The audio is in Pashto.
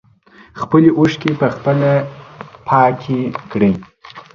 خپلې اوښکې په خپله پاکې کړئ.